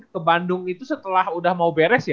ke bandung itu setelah udah mau beres ya